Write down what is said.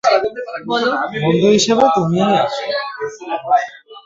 বন্ধু হিসেবে তুমিই আছো।